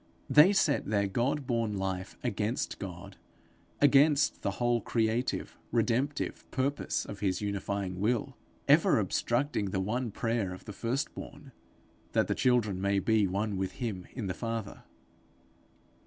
They set their God born life against God, against the whole creative, redemptive purpose of his unifying will, ever obstructing the one prayer of the first born that the children may be one with him in the Father.